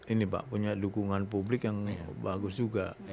ini pak punya dukungan publik yang bagus juga